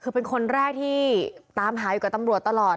คือเป็นคนแรกที่ตามหาอยู่กับตำรวจตลอด